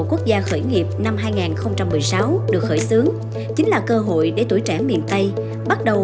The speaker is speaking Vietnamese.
quốc gia khởi nghiệp năm hai nghìn một mươi sáu được khởi xướng chính là cơ hội để tuổi trẻ miền tây bắt đầu